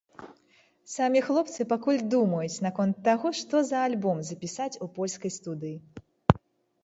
Самі хлопцы пакуль думаюць наконт таго, што за альбом запісаць у польскай студыі.